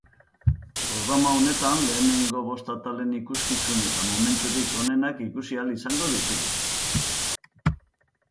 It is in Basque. Programa honetan lehenengo bost atalen ikuskizun eta momenturik onenak ikusi ahal izango ditugu.